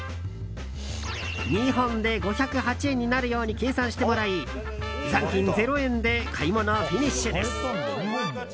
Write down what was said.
２本で５０８円になるように計算してもらい残金０円で買い物フィニッシュです。